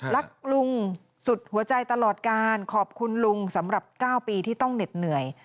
รักลุงสุดหัวใจตลอดการขอบคุณลุงสำหรับ๙ปีที่ต้องเหน็ดเหนื่อย